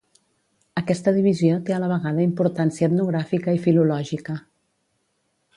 Aquesta divisió té a la vegada importància etnogràfica i filològica.